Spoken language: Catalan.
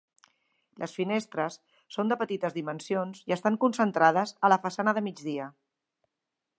Les finestres són de petites dimensions i estan concentrades a la façana de migdia.